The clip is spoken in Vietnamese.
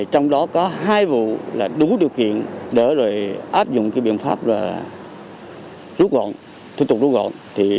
trong đó có hai vụ là đủ điều kiện để áp dụng biện pháp rút gọn thủ tục rút gọn